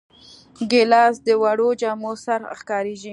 ګیلاس د وړو جامو سره ښکارېږي.